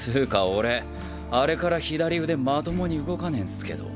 俺あれから左腕まともに動かねぇんすけど。